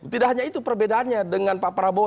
tidak hanya itu perbedaannya dengan pak prabowo